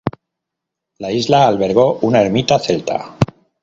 La isla albergó una ermita celta.